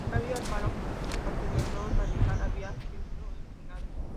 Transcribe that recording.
Flavio Alfaro, su contendor radical, había sido eliminado.